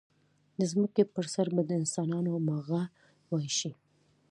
د ځمکې پر سر به د انسانانو ماغزه وایشي.